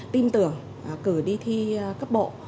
tìm tưởng cử đi thi cấp bộ